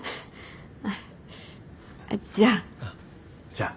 じゃあ。